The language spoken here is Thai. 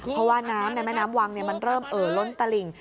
เพราะว่าน้ำในแม่น้ำวังมันเริ่มเอ่อล้นตลิ่ง